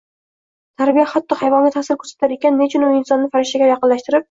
Tarbiya hatto hayvonga ta'sir ko'rsatar ekan, nechun u insonni farishtaga yaqinlashtirib